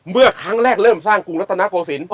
เมื่อครั้งแรกเริ่มสร้างกรุงรัฐนาโกศิลป์